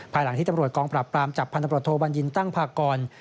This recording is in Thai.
หลังที่ตำรวจกองปรับปรามจับพันธบรดโทบัญญินตั้งพากร